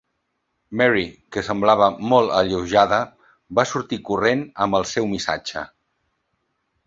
Mary, que semblava molt alleujada, va sortir corrent amb el seu missatge.